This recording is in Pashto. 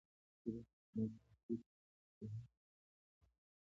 شریعت مقاصد اجتهادي امور دي.